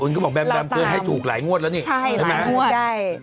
๐๕๐๕ก็บอกแบมแบมเสือเทือนให้ถูกหลายงวดแล้วนี่ใช่มั้ยหลายงวด